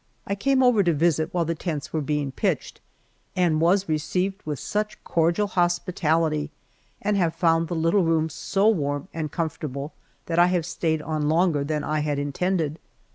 I came over to wait while the tents were being pitched, and was received with such cordial hospitality, and have found the little room so warm and comfortable that I have stayed on longer than I had intended.